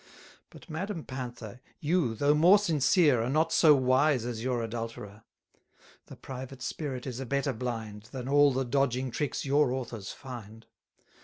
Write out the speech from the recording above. But, madam Panther, you, though more sincere, 250 Are not so wise as your adulterer: The private spirit is a better blind, Than all the dodging tricks your authors find.